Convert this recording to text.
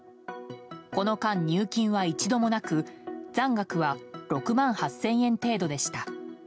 この間、入金は一度もなく残額は６万８０００円程度でした。